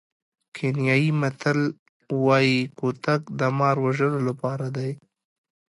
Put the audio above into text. کینیايي متل وایي کوتک د مار وژلو لپاره دی.